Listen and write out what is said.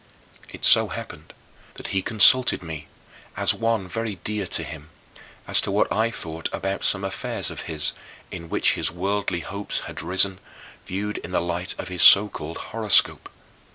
It so happened that he consulted me, as one very dear to him, as to what I thought about some affairs of his in which his worldly hopes had risen, viewed in the light of his so called horoscope.